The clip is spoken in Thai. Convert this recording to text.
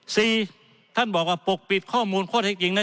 ท่านบอกว่าปกปิดข้อมูลข้อเท็จจริงนะ